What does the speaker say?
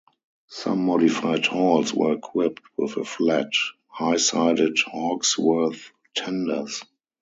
Some modified Halls were equipped with a flat, high-sided Hawksworth tenders.